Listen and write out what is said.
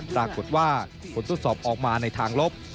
ปรากฏว่าผลทดสอบออกมาในทางลบ